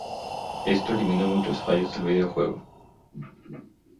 Esto eliminó muchos fallos del videojuego.